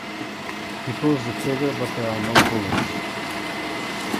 He pulls the trigger but there are no bullets.